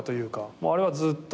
もうあれはずっと。